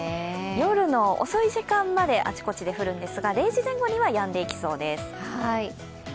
夜の遅い時間まで、あちこちで降るんですが、０時前後にはやんでいきそうです。